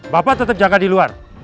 bapak tetap jaga di luar